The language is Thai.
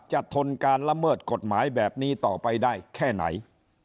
ทนการละเมิดกฎหมายแบบนี้ต่อไปได้แค่ไหน